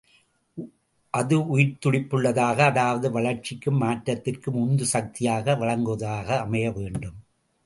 அது உயிர்த்துடிப்புள்ளதாக அதாவது வளர்ச்சிக்கும் மாற்றத்திற்கும் உந்து சக்தியை வழங்குவதாக அமைய வேண்டும்.